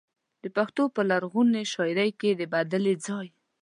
د پښتو په لرغونې شاعرۍ کې د بدلې ځای.